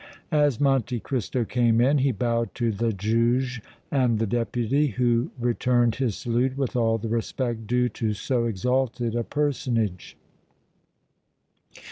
As Monte Cristo came in he bowed to the Juge and the Deputy, who returned his salute with all the respect due to so exalted a personage.